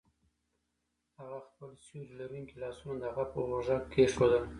هغه خپل سیوري لرونکي لاسونه د هغه په اوږه کیښودل